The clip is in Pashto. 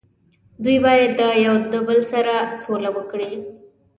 دوي باید یو د بل سره سوله وکړي